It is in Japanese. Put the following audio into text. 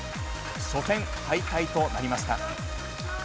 初戦敗退となりました。